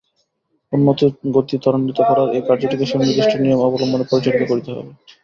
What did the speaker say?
উন্নতির গতি ত্বরান্বিত করার এই কার্যটিকে সুনির্দিষ্ট নিয়ম অবলম্বনে পরিচালিত করিতে হইবে।